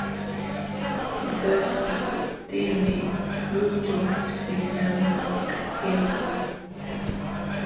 Qaspikuptinmi yutu sihñanman yaykun.